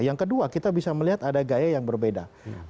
yang kedua kita bisa melihat ada gaya yang berbeda